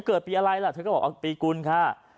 เกิดปีอะไรล่ะเธอก็บอกปีกุลค่ะ